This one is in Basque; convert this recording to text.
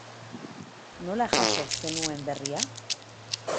Nola jaso zenuen berria?